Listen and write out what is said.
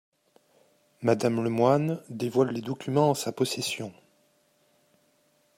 Madame Lemoine dévoile les documents en sa possession.